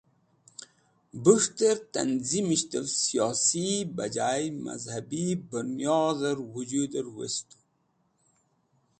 Bus̃hter Tanzimisht Siyosiye Bajay Mazhabi bunyodher Wujuder Westu.